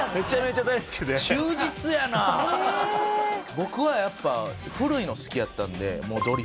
僕はやっぱ古いの好きやったんでもうドリフ。